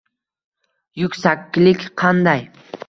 Yuksaklik qanday?»